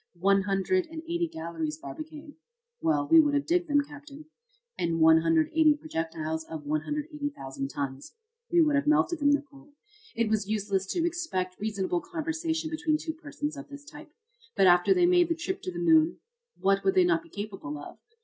"One hundred and eighty galleries, Barbicane." "Well, we would have digged them, Captain." "And 180 projectiles of 180,000 tons." "We would have melted them, Nicholl." "It was useless to expect reasonable conversation between two persons of this type. But after they made the trip to the moon, what would they not be capable of?